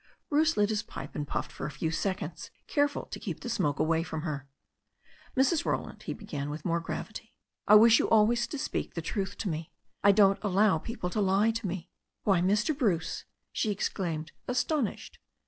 Bruce lit his pipe and puffed for a few seconds, careful to keep the smoke away from her. "Mrs. Roland," he began, with more gravity, "I wish you always to speak the truth to me. I don't allow people to lie to me." "Why, Mr. Bruce," she exclaimed, astonished.